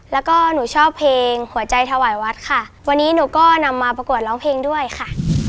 แล้วก็หนูชอบเพลงหัวใจถวายวัดค่ะวันนี้หนูก็นำมาประกวดร้องเพลงด้วยค่ะ